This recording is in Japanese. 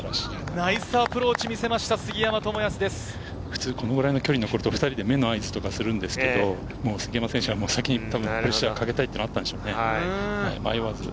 ナイスアプローチを見せ普通このぐらいの距離だと、２人で目で合図をするんですが、杉山選手は先にプレッシャーをかけたいというのがあったんでしょうね。